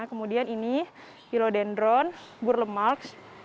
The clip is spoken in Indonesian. kemudian ini hilodendron burlemalks